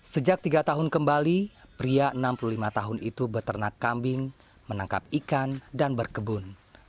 sejak tiga tahun kembali pria enam puluh lima tahun itu beternak kambing menangkap ikan dan berkebun